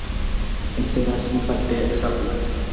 Heterasypaitésapy'a.